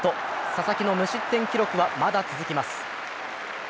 佐々木の無失点はまだ続きます。